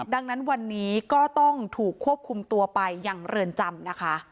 ดังนั้นวันนี้ก็ต้องถูกควบคุมตัวไปยังเรือนจำนะคะ